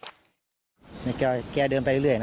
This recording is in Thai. ตอนนั้นนักศนัดยังไงขึ้นสูงเหมือนตอนนี้ไหม